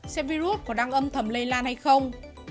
xem virus có đang âm thầm lây lan hay không